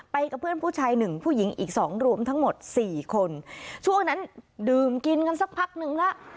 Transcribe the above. กับเพื่อนผู้ชายหนึ่งผู้หญิงอีกสองรวมทั้งหมดสี่คนช่วงนั้นดื่มกินกันสักพักนึงแล้ว